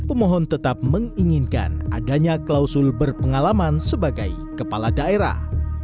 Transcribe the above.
pemohon tetap menginginkan adanya klausul berpengalaman sebagai kepala daerah